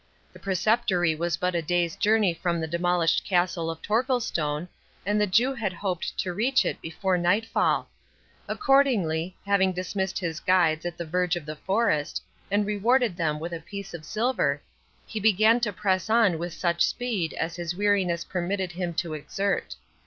The Preceptory was but a day's journey from the demolished castle of Torquilstone, and the Jew had hoped to reach it before nightfall; accordingly, having dismissed his guides at the verge of the forest, and rewarded them with a piece of silver, he began to press on with such speed as his weariness permitted him to exert.